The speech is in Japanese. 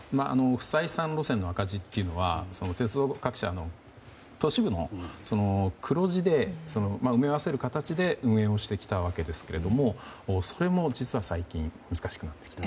負債３路線の赤字というのは鉄道各社の都市部の黒字で埋め合わせる形で運営してきたわけですけどもそれも実は最近難しくなってきた。